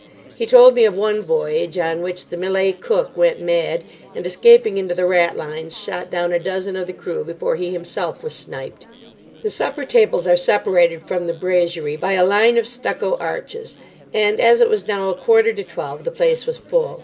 He told me of one voyage on which the Malay cook went mad, and, escaping into the ratlines, shot down a dozen of the crew before he himself was sniped. The supper tables are separated from the brasserie by a line of stucco arches, and as it was now a quarter to twelve the place was full.